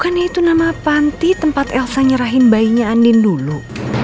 makannya itu nama panti tempat elsa nyerahin bayinya andin dulu